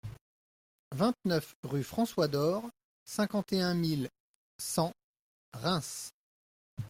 vingt-neuf rue François Dor, cinquante et un mille cent Reims